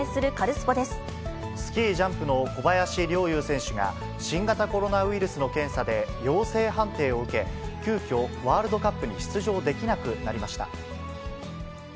スキージャンプの小林陵侑選手が、新型コロナウイルスの検査で陽性判定を受け、急きょ、ワールドカップに出場できなくなりました。